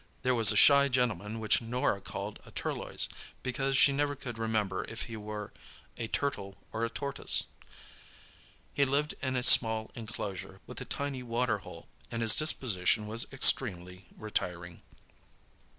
There was a shy gentleman which Norah called a turloise, because she never could remember if he were a turtle or a tortoise. He lived in a small enclosure, with a tiny water hole, and his disposition was extremely retiring.